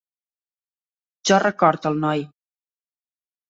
Jo record al noi.